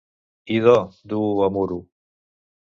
I do, duu-ho a Muro.